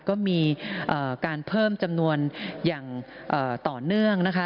ก็มีการเพิ่มจำนวนอย่างต่อเนื่องนะคะ